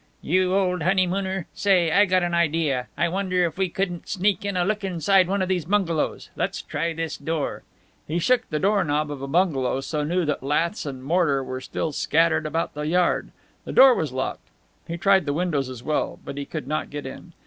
"You old honeymooner! Say, I've got an idea. I wonder if we couldn't sneak in a look inside of one of these bungalows. Let's try this door." He shook the door knob of a bungalow so new that laths and mortar were still scattered about the yard. The door was locked. He tried the windows as well. But he could not get in.